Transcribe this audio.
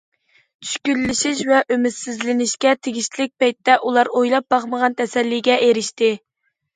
چۈشكۈنلىشىش ۋە ئۈمىدسىزلىنىشكە تېگىشلىك پەيتتە، ئۇلار ئويلاپ باقمىغان تەسەللىگە ئېرىشتى.